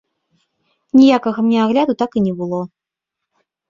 Ніякага мне агляду так і не было.